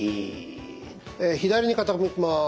左に傾きます。